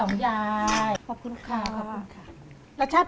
ของคุณยายถ้วน